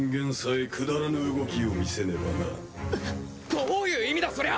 どういう意味だそりゃ。